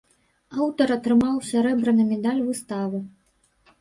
Аўтар атрымаў сярэбраны медаль выставы.